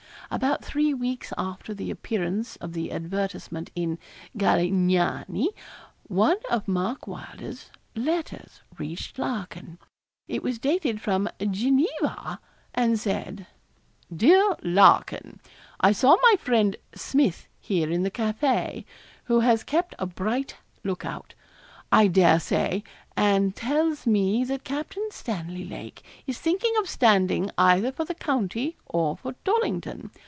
About three weeks after the appearance of the advertisement in 'Galignani,' one of Mark Wylder's letters reached Larkin. It was dated from Geneva(!) and said: 'DEAR LARKIN, I saw my friend Smith here in the café, who has kept a bright look out, I dare say; and tells me that Captain Stanley Lake is thinking of standing either for the county or for Dollington.